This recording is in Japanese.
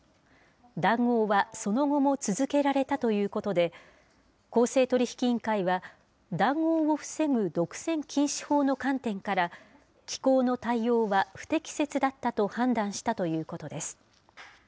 談合はその後も続けられたということで、公正取引委員会は談合を防ぐ独占禁止法の観点から、機構の対応は不適切だったと判断したということです。